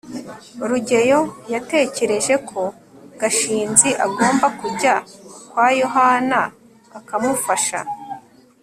rugeyo yatekereje ko gashinzi agomba kujya kwa yohana akamufasha